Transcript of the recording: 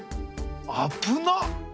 あっぶな！